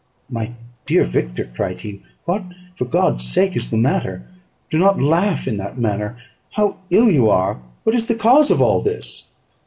"My dear Victor," cried he, "what, for God's sake, is the matter? Do not laugh in that manner. How ill you are! What is the cause of all this?"